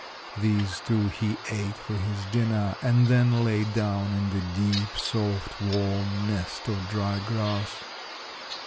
These two he ate for his dinner and then lay down in the deep, soft, warm nest of dried grass.